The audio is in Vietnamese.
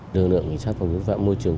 đường lượng sát phẩm vũ phạm môi trường